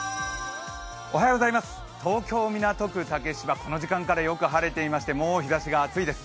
東京・港区竹芝、この時間からよく晴れていましてもう日ざしが熱いです。